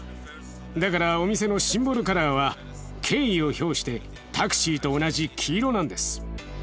だからお店のシンボルカラーは敬意を表してタクシーと同じ黄色なんです。